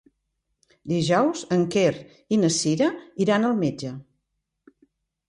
Dijous en Quer i na Cira iran al metge.